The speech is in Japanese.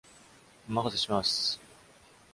お任せします。